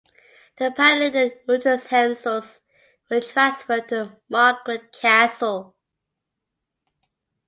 The paneling and utensils were transferred to Marquette Castle.